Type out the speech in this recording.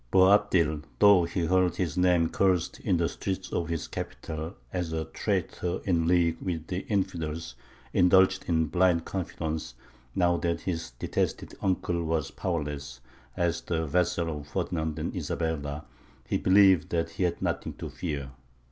Boabdil, though he heard his name cursed in the streets of his capital as a traitor in league with the infidels, indulged in blind confidence, now that his detested uncle was powerless; as the vassal of Ferdinand and Isabella he believed that he had nothing to fear.